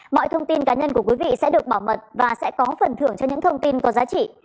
mọi thông tin cá nhân của quý vị sẽ được bảo mật và sẽ có phần thưởng cho những thông tin có giá trị